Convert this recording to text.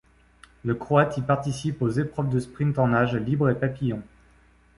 Le Croate y participe aux épreuves de sprint en nage libre et papillon.